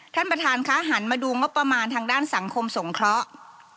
ท่านประธานคะหันมาดูงบประมาณทางด้านสังคมสงเคราะห์